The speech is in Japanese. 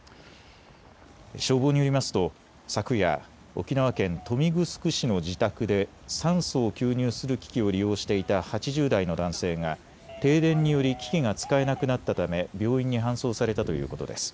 消防によりますと昨夜、沖縄県豊見城市の自宅で酸素を吸入する機器を利用していた８０代の男性が停電により機器が使えなくなったため病院に搬送されたということです。